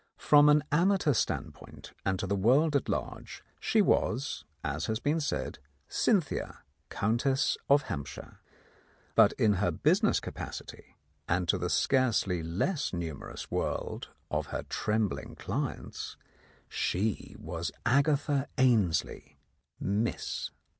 From an amateur stand point, and to the world at large, she was, as has been said, Cynthia, Countess of Hampshire; but in her business capacity and to the scarcely less numerous world of her trembling clients she was Agatha Ainslie (Miss).